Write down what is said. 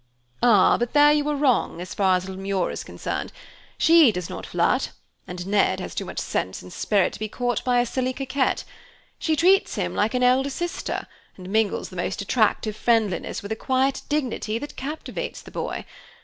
"Ah, but there you are wrong, as far as little Muir is concerned. She does not flirt, and Ned has too much sense and spirit to be caught by a silly coquette. She treats him like an elder sister, and mingles the most attractive friendliness with a quiet dignity that captivates the boy.